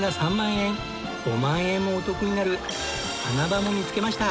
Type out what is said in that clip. ５万円もお得になる穴場も見つけました！